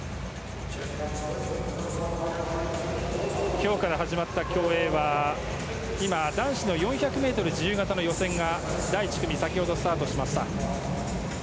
今日から始まった競泳は今、男子の４００ｍ自由形の予選第１組、先ほどスタートしました。